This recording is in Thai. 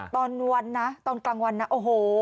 ตอนวันนะตอนกลางวันนะโอ้โห